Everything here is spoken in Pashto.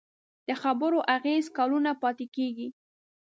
د خبرو اغېز کلونه پاتې کېږي.